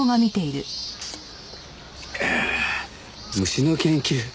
虫の研究？